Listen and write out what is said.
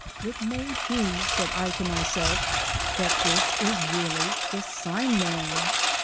"It may be," said I to myself, "that this is really the sign man!"